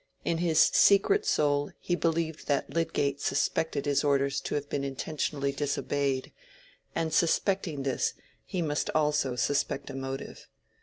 In his secret soul he believed that Lydgate suspected his orders to have been intentionally disobeyed, and suspecting this he must also suspect a motive.